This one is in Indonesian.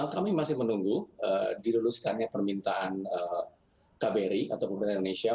kami masih menunggu diluluskannya permintaan kbri atau pemerintah indonesia